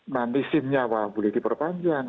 nanti sim nya apa boleh diperpanjang